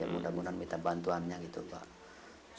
ya mudah mudahan minta bantuannya ya pak lalu